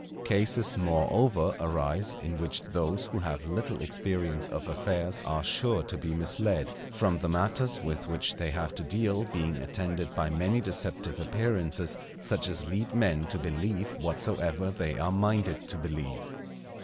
Cases, moreover, arise in which those who have little experience of affairs are sure to be misled, from the matters with which they have to deal being attended by many deceptive appearances such as lead men to believe whatsoever they are minded to believe.